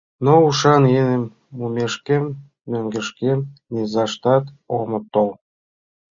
Но ушан еҥым мумешкем, мӧҥгышкем низаштат ом тол.